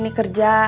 kau bisa berjaya